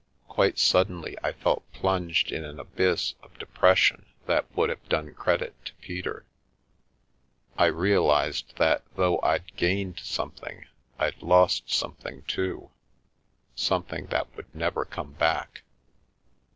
Quite suddenly I felt plunged in an abyss of depression that would have done credit to Peter. I realised that though I'd gained something, I'd lost something, too, something that would never come back.